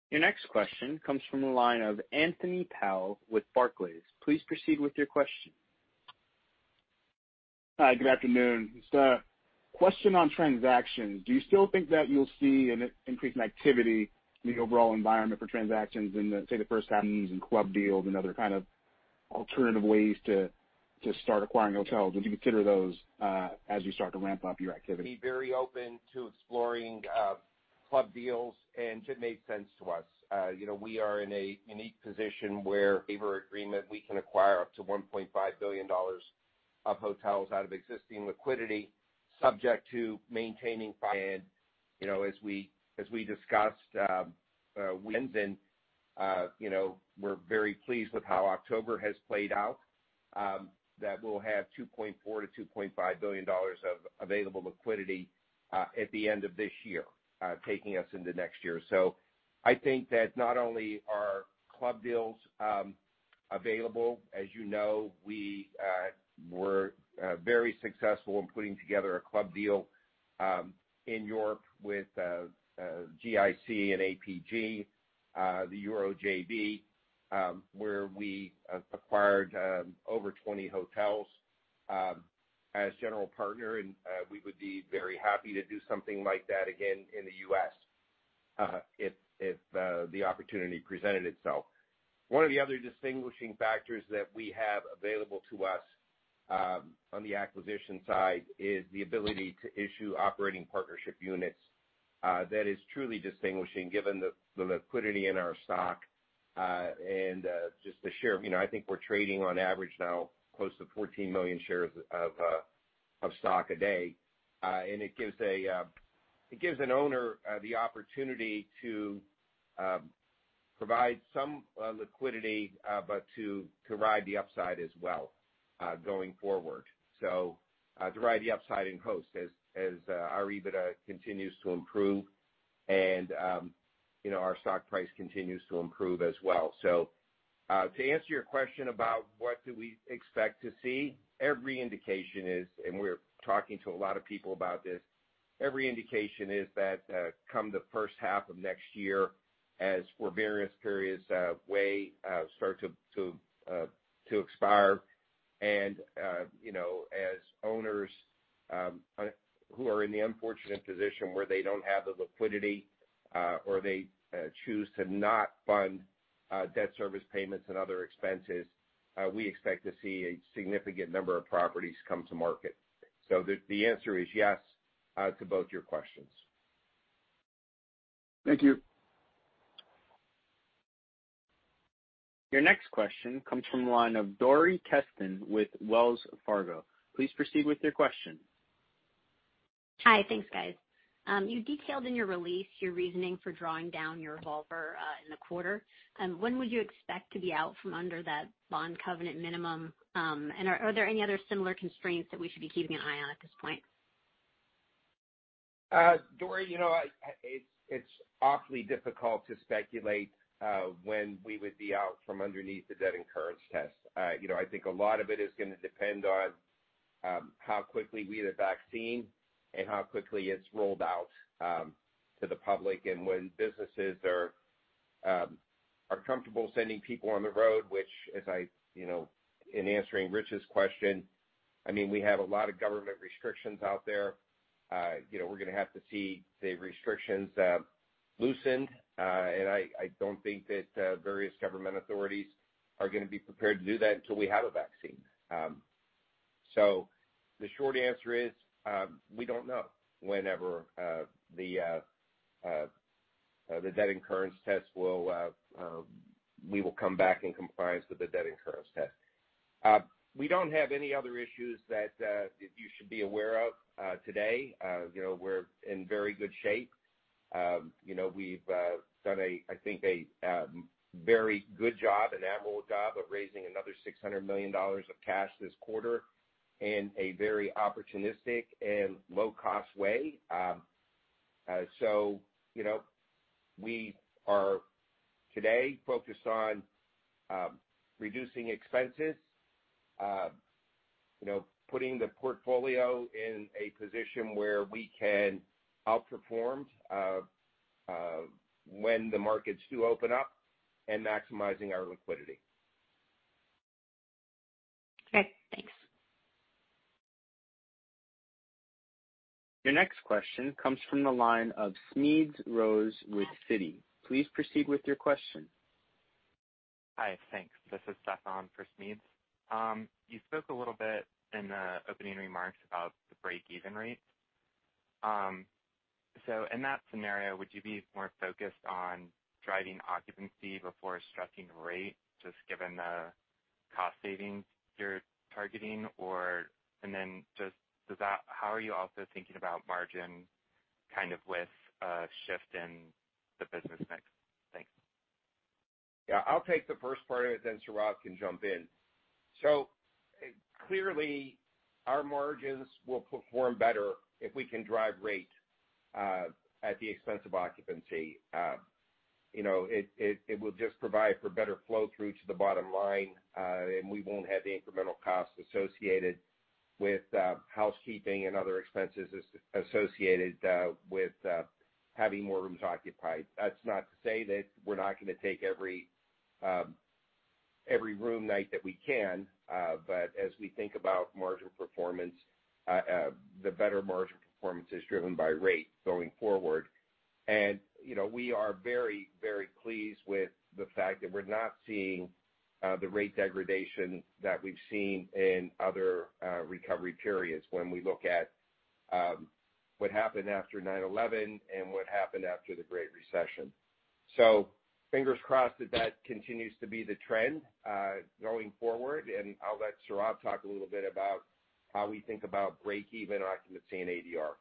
Your next question comes from the line of Anthony Powell with Barclays. Please proceed with your question. Hi, good afternoon. Just a question on transactions. Do you still think that you'll see an increase in activity in the overall environment for transactions in the, say, the first captains and club deals and other kind of alternative ways to start acquiring hotels? Would you consider those as you start to ramp up your activity? Be very open to exploring club deals and if it made sense to us. You know, we are in a unique position where favor agreement, we can acquire up to $1.5 billion of hotels out of existing liquidity subject to maintaining finance. You know, as we discussed winds and, you know, we're very pleased with how October has played out that we'll have $2.4 billion-$2.5 billion of available liquidity at the end of this year taking us into next year. I think that not only are club deals available, as you know, we were very successful in putting together a club deal in Europe with GIC and APG, the Euro JV, where we acquired over 20 hotels as general partner. We would be very happy to do something like that again in the U.S. if the opportunity presented itself. One of the other distinguishing factors that we have available to us on the acquisition side is the ability to issue operating partnership units that is truly distinguishing given the liquidity in our stock and just the share. You know, I think we're trading on average now close to 14 million shares of stock a day. It gives a, it gives an owner, the opportunity to provide some liquidity, but to ride the upside as well, going forward. To ride the upside in Host as our EBITDA continues to improve and, you know, our stock price continues to improve as well. To answer your question about what do we expect to see, every indication is, and we're talking to a lot of people about this. Every indication is that, come the first half of next year, as for various periods start to expire and, you know, as owners who are in the unfortunate position where they don't have the liquidity, or they choose to not fund debt service payments and other expenses, we expect to see a significant number of properties come to market. The answer is yes to both your questions. Thank you. Your next question comes from the line of Dori Kesten with Wells Fargo. Please proceed with your question. Hi. Thanks, guys. You detailed in your release your reasoning for drawing down your revolver in the quarter. When would you expect to be out from under that bond covenant minimum? Are there any other similar constraints that we should be keeping an eye on at this point? Dori, you know, I, it's awfully difficult to speculate when we would be out from underneath the debt incurrence test. You know, I think a lot of it is gonna depend on how quickly we get a vaccine and how quickly it's rolled out to the public and when businesses are comfortable sending people on the road, which as I, you know, in answering Rich's question, I mean, we have a lot of government restrictions out there. You know, we're gonna have to see the restrictions loosened. I don't think that various government authorities are gonna be prepared to do that until we have a vaccine. The short answer is, we don't know whenever the debt incurrence test will, we will come back in compliance with the debt incurrence test. We don't have any other issues that you should be aware of today. You know, we're in very good shape. You know, we've done a, I think, a very good job, an admirable job of raising another $600 million of cash this quarter in a very opportunistic and low-cost way. You know, we are today focused on reducing expenses, you know, putting the portfolio in a position where we can outperform when the markets do open up, and maximizing our liquidity. Okay, thanks. Your next question comes from the line of Smedes Rose with Citi. Please proceed with your question. Hi. Thanks. This is Stefan for Smedes. You spoke a little bit in the opening remarks about the break-even rate. In that scenario, would you be more focused on driving occupancy before stressing rate, just given the cost savings you're targeting? How are you also thinking about margin kind of with a shift in the business mix? Thanks. Yeah, I'll take the first part of it, then Sourav can jump in. Clearly our margins will perform better if we can drive rate at the expense of occupancy. You know, it, it will just provide for better flow through to the bottom line, and we won't have the incremental costs associated with housekeeping and other expenses associated with having more rooms occupied. That's not to say that we're not gonna take every room night that we can, but as we think about margin performance, the better margin performance is driven by rate going forward. You know, we are very, very pleased with the fact that we're not seeing, the rate degradation that we've seen in other, recovery periods when we look at, what happened after 9/11 and what happened after the Great Recession. Fingers crossed that that continues to be the trend, going forward, and I'll let Sourav talk a little bit about how we think about break even occupancy and ADR.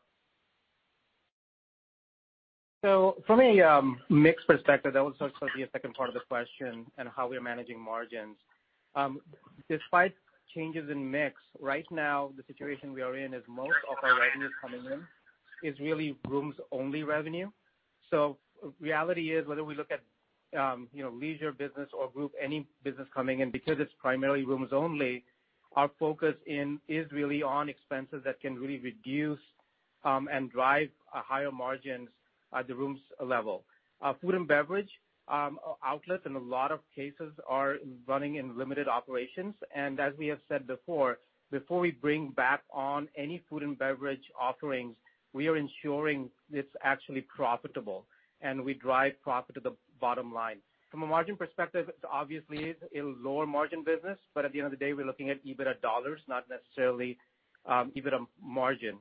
From a mix perspective, that was also the second part of the question and how we are managing margins. Despite changes in mix, right now the situation we are in is most of our revenue coming in is really rooms only revenue. Reality is whether we look at, you know, leisure business or group, any business coming in, because it's primarily rooms only, our focus in is really on expenses that can really reduce and drive higher margins at the rooms level. Our food and beverage outlets in a lot of cases are running in limited operations. As we have said before we bring back on any food and beverage offerings, we are ensuring it's actually profitable and will drive profit to the bottom line. From a margin perspective, it's obviously a lower margin business, but at the end of the day, we're looking at EBITA dollars, not necessarily EBITA margin.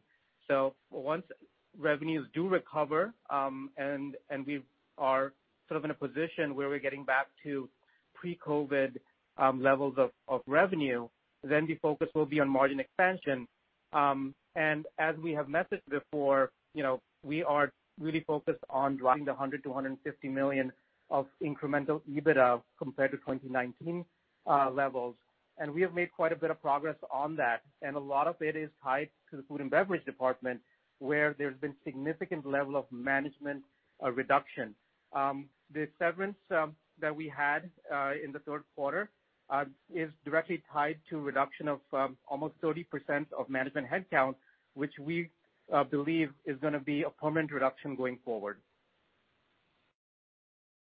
So once revenues do recover, and we are sort of in a position where we're getting back to pre-COVID levels of revenue, then the focus will be on margin expansion. And as we have mentioned before, you know, we are really focused on driving the $100 million-$150 million of incremental EBITA compared to 2019 levels. And we have made quite a bit of progress on that. And a lot of it is tied to the food and beverage department, where there's been significant level of management reduction. The severance that we had in the third quarter is directly tied to reduction of almost 30% of management headcount, which we believe is going to be a permanent reduction going forward.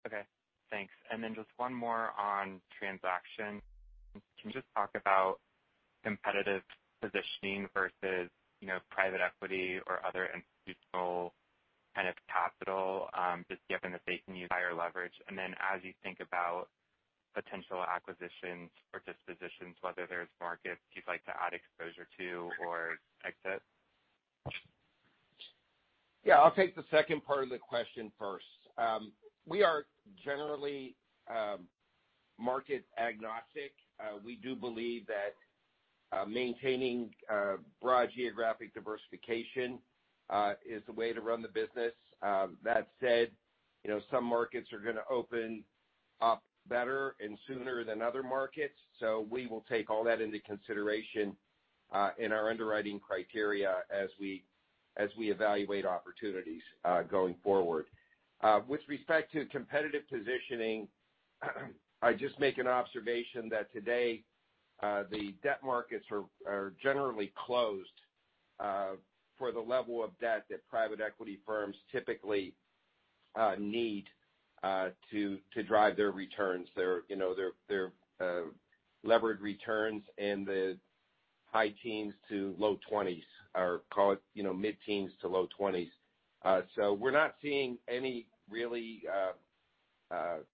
Okay, thanks. Just one more on transaction. Can you just talk about competitive positioning versus, you know, private equity or other institutional kind of capital, just given that they can use higher leverage? As you think about potential acquisitions or dispositions, whether there's markets you'd like to add exposure to or exit. e second part of the question first. We are generally market agnostic. We do believe that maintaining broad geographic diversification is the way to run the business. That said, you know, some markets are gonna open up better and sooner than other markets, so we will take all that into consideration in our underwriting criteria as we evaluate opportunities going forward. With respect to competitive positioning, I just make an observation that today the debt markets are generally closed for the level of debt that private equity firms typically need to drive their returns, their, you know, their levered returns in the high teens to low 20s or call it, you know, mid-teens to low 20s. We're not seeing any really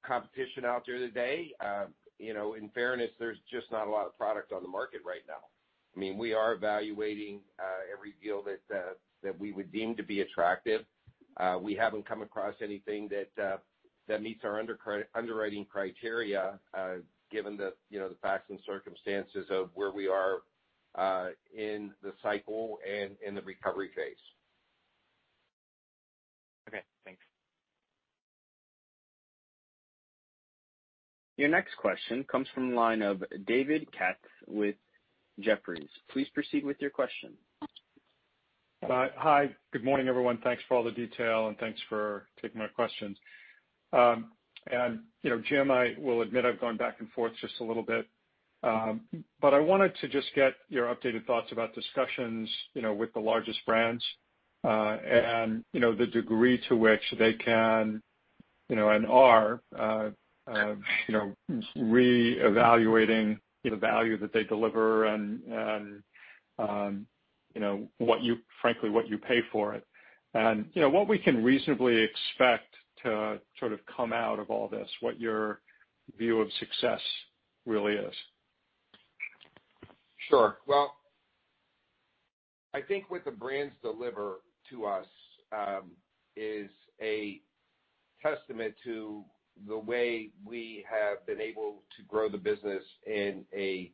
competition out there today. You know, in fairness, there's just not a lot of product on the market right now. I mean, we are evaluating every deal that we would deem to be attractive. We haven't come across anything that meets our underwriting criteria, given the, you know, the facts and circumstances of where we are in the cycle and in the recovery phase. Okay, thanks. Your next question comes from the line of David Katz with Jefferies. Please proceed with your question. Hi. Good morning, everyone. Thanks for all the detail, and thanks for taking my questions. You know, Jim, I will admit I've gone back and forth just a little bit, but I wanted to just get your updated thoughts about discussions, you know, with the largest brands, and you know, the degree to which they can, you know, and are, you know, reevaluating the value that they deliver and, you know, what you-- frankly, what you pay for it. You know, what we can reasonably expect to sort of come out of all this, what your view of success really is? Sure. Well, I think what the brands deliver to us is a testament to the way we have been able to grow the business in a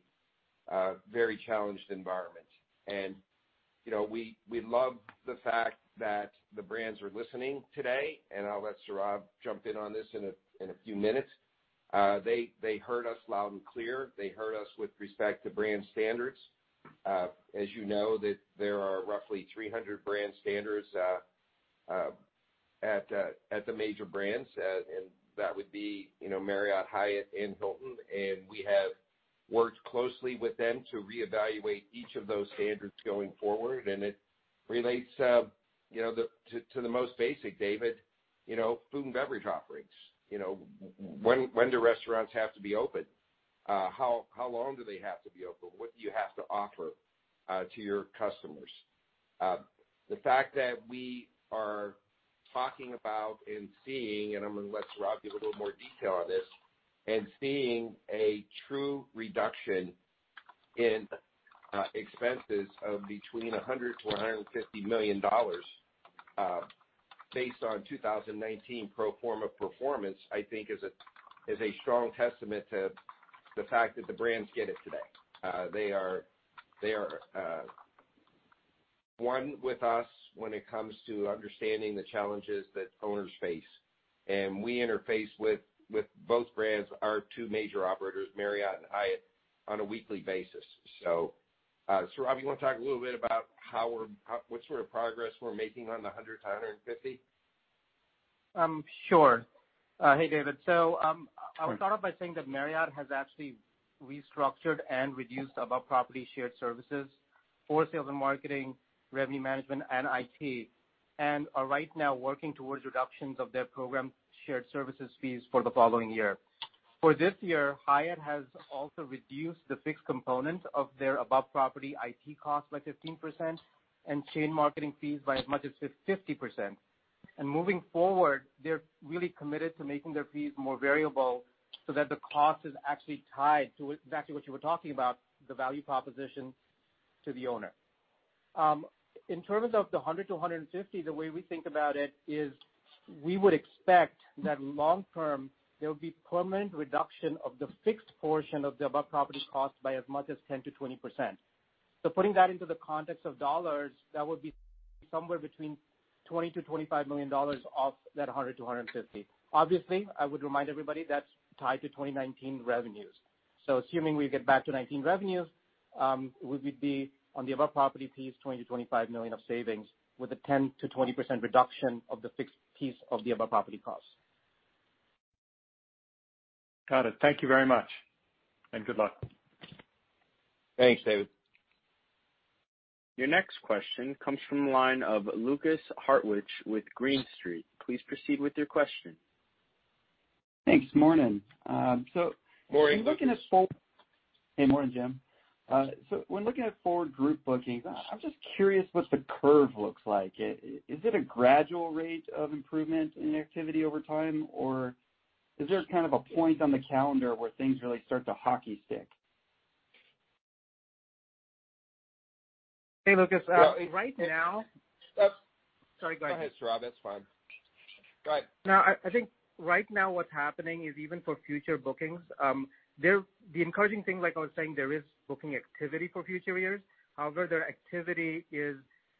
very challenged environment. You know, we love the fact that the brands are listening today, and I'll let Sourav jump in on this in a few minutes. They heard us loud and clear. They heard us with respect to brand standards. As you know, that there are roughly 300 brand standards at the major brands, and that would be, you know, Marriott, Hyatt, and Hilton. We have worked closely with them to reevaluate each of those standards going forward. It relates, you know, to the most basic, David, you know, food and beverage offerings. You know, when do restaurants have to be open? How long do they have to be open? What do you have to offer to your customers? The fact that we are talking about and seeing, and I'm gonna let Sourav give a little more detail on this, and seeing a true reduction in expenses of between $100 million-$150 million, based on 2019 pro forma performance, I think is a strong testament to the fact that the brands get it today. They are one with us when it comes to understanding the challenges that owners face. We interface with both brands, our two major operators, Marriott and Hyatt, on a weekly basis. Sourav, you wanna talk a little bit about what sort of progress we're making on the $100-$150? Sure. Hey, David. I'll start off by saying that Marriott has actually restructured and reduced above property shared services for sales and marketing, revenue management, and IT, and are right now working towards reductions of their program shared services fees for the following year. For this year, Hyatt has also reduced the fixed component of their above property IT costs by 15% and chain marketing fees by as much as 50%. Moving forward, they're really committed to making their fees more variable so that the cost is actually tied to exactly what you were talking about, the value proposition to the owner. In terms of the $100-$150, the way we think about it is we would expect that long term there will be permanent reduction of the fixed portion of the above property cost by as much as 10%-20%. Putting that into the context of dollars, that would be somewhere between $20 million-$25 million off that $100-$150. Obviously, I would remind everybody that's tied to 2019 revenues. Assuming we get back to 19 revenues, we would be on the above property fees, $20 million-$25 million of savings with a 10%-20% reduction of the fixed piece of the above property costs. Got it. Thank you very much, and good luck. Thanks, David. Your next question comes from the line of Lukas Hartwich with Green Street. Please proceed with your question. Thanks. Morning. Morning. Hey, morning, Jim. When looking at forward group bookings, I'm just curious what the curve looks like. Is it a gradual rate of improvement in activity over time, or is there kind of a point on the calendar where things really start to hockey stick? Hey, Lukas. right now. Sorry, go ahead. Go ahead, Sourav. It's fine. Go ahead. No, I think right now what's happening is even for future bookings, the encouraging thing, like I was saying, there is booking activity for future years. However, their activity is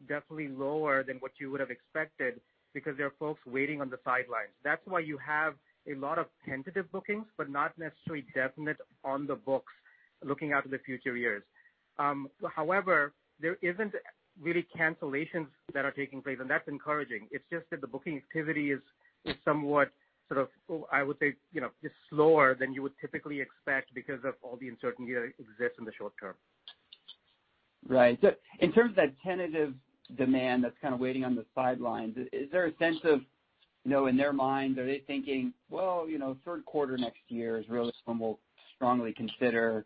definitely lower than what you would have expected because there are folks waiting on the sidelines. That's why you have a lot of tentative bookings, but not necessarily definite on the books looking out to the future years. However, there isn't really cancellations that are taking place, and that's encouraging. It's just that the booking activity is somewhat sort of, I would say, you know, is slower than you would typically expect because of all the uncertainty that exists in the short term. Right. In terms of that tentative demand that's kind of waiting on the sidelines, is there a sense of, you know, in their minds, are they thinking, "Well, you know, third quarter next year is really when we'll strongly consider,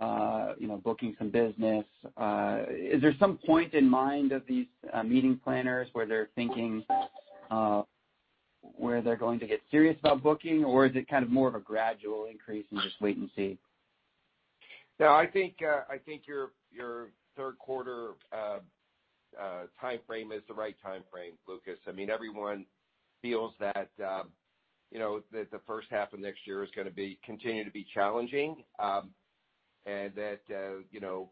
you know, booking some business?" Is there some point in mind of these meeting planners where they're thinking, where they're going to get serious about booking, or is it kind of more of a gradual increase and just wait and see? No, I think your third quarter timeframe is the right timeframe, Lukas. I mean, everyone feels that, you know, that the first half of next year is gonna continue to be challenging, and that, you know,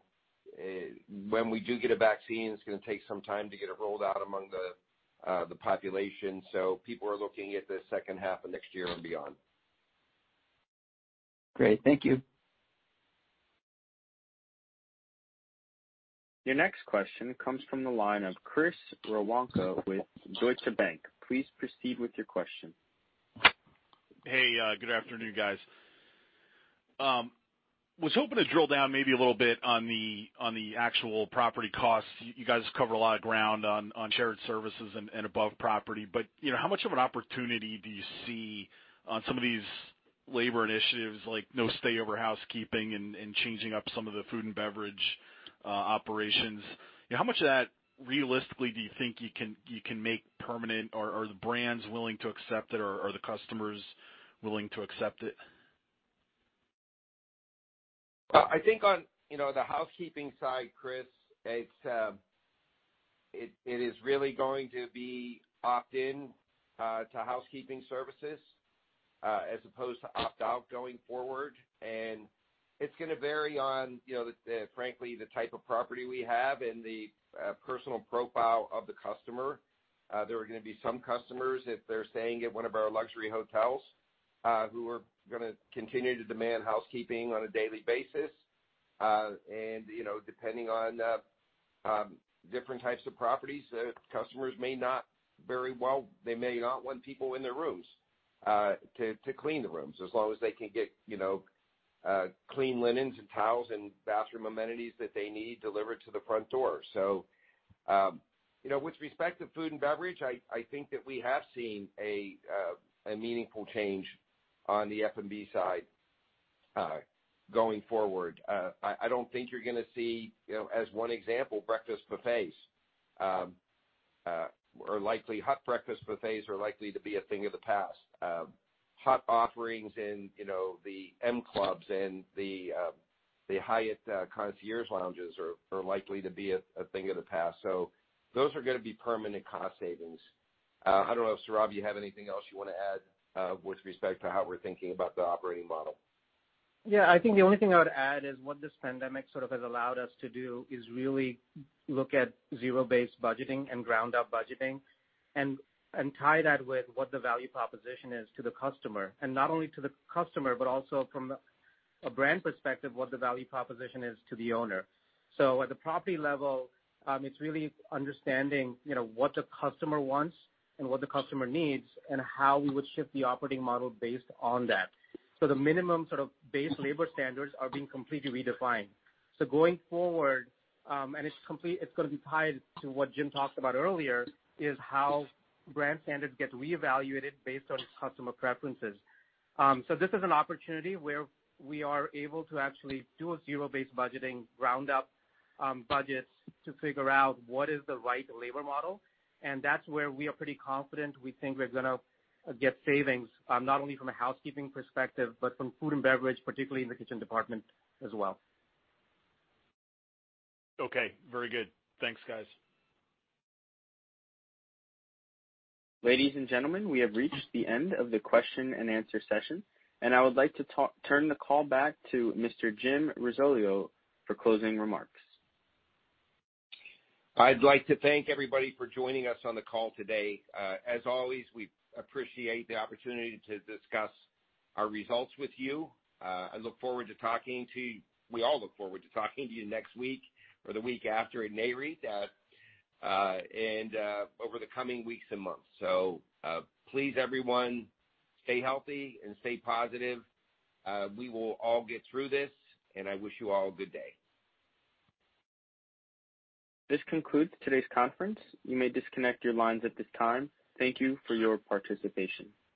when we do get a vaccine, it's gonna take some time to get it rolled out among the population. People are looking at the second half of next year and beyond. Great. Thank you. Your next question comes from the line of Chris Woronka with Deutsche Bank. Please proceed with your question. Hey, good afternoon, guys. Was hoping to drill down maybe a little bit on the actual property costs. You guys cover a lot of ground on shared services and above property. You know, how much of an opportunity do you see on some of these labor initiatives, like no stay-over housekeeping and changing up some of the food and beverage operations? How much of that realistically do you think you can make permanent? Are the brands willing to accept it, or are the customers willing to accept it? I think on, you know, the housekeeping side, Chris, it's, it is really going to be opt-in to housekeeping services as opposed to opt-out going forward. It's gonna vary on, you know, frankly, the type of property we have and the personal profile of the customer. There are gonna be some customers, if they're staying at one of our luxury hotels who are gonna continue to demand housekeeping on a daily basis. You know, depending on different types of properties, customers may not very well, they may not want people in their rooms to clean the rooms as long as they can get, you know, clean linens and towels and bathroom amenities that they need delivered to the front door. You know, with respect to food and beverage, I think that we have seen a meaningful change on the F&B side going forward. I don't think you're gonna see, you know, as one example, breakfast buffets, hot breakfast buffets are likely to be a thing of the past. Hot offerings in, you know, the M clubs and the Hyatt concierge lounges are likely to be a thing of the past. Those are gonna be permanent cost savings. I don't know, Sourav, you have anything else you wanna add with respect to how we're thinking about the operating model? Yeah. I think the only thing I would add is what this pandemic sort of has allowed us to do is really look at zero-based budgeting and ground-up budgeting and tie that with what the value proposition is to the customer. Not only to the customer, but also from a brand perspective, what the value proposition is to the owner. At the property level, it's really understanding, you know, what the customer wants and what the customer needs and how we would shift the operating model based on that. The minimum sort of base labor standards are being completely redefined. Going forward, and it's gonna be tied to what Jim talked about earlier, is how brand standards get reevaluated based on customer preferences. This is an opportunity where we are able to actually do a zero-based budgeting, ground up, budgets to figure out what is the right labor model. That's where we are pretty confident we think we're gonna get savings, not only from a housekeeping perspective, but from food and beverage, particularly in the kitchen department as well. Okay. Very good. Thanks, guys. Ladies and gentlemen, we have reached the end of the question and answer session, and I would like to turn the call back to Mr. Jim Risoleo for closing remarks. I'd like to thank everybody for joining us on the call today. As always, we appreciate the opportunity to discuss our results with you. We all look forward to talking to you next week or the week after at Nareit and over the coming weeks and months. Please, everyone, stay healthy and stay positive. We will all get through this, and I wish you all a good day. This concludes today's conference. You may disconnect your lines at this time. Thank you for your participation.